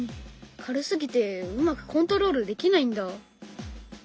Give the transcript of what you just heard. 軽すぎてうまくコントロールできないんだ。